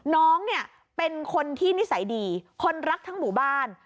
น้องเนี่ยเป็นคนที่นิสัยดีคนรักทั้งหมู่บ้าน